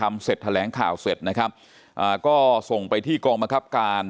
เสร็จแถลงข่าวเสร็จนะครับอ่าก็ส่งไปที่กองบังคับการ